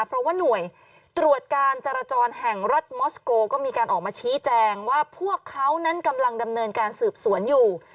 เพราะว่าหน่วยตรวจการจราจรแห่งรัฐมอสโกก็มีการออกมาชี้แจงว่าพวกเขานั้นกำลังดำเนินการสืบสวนอยู่